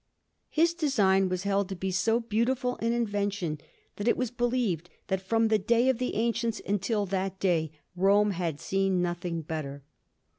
His design was held to be so beautiful in invention, that it was believed that from the time of the ancients until that day, Rome had seen nothing better.